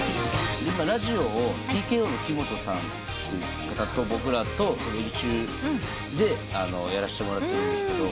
ラジオをＴＫＯの木本さんと僕らとエビ中でやらせてもらってるんですけど。